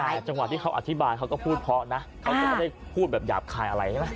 แล้วจะมีเว่อธิบายเขาก็พูดเพราะนะก็จะพูดแบบหยาบคายอะไรได้ไหม